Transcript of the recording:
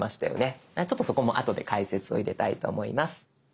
ちょっとそこもあとで解説を入れたいと思います。